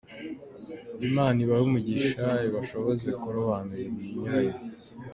Imana ibahe umugisha ibashoboze kurobanura ibinyuranye.